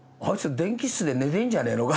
電気室で寝てんじゃねえのか」